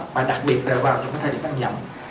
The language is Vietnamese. và đặc biệt là vào những cái thời điểm ăn nhậm